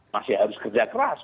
masih harus kerja keras